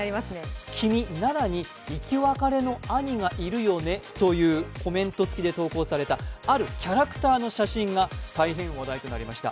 「君、奈良に生き別れの兄がいるよね」というコメントつきで投稿されたあるキャラクターつきの写真が大変話題となりました。